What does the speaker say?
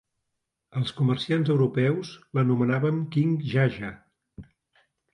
Els comerciants europeus l'anomenaven King Jaja.